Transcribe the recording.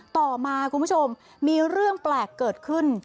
ต่อมาคุณผู้ชมมีเรื่องแปลกเกิดขึ้น